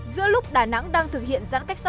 giữa lúc đà nẵng đang thực hiện giãn cách xã hội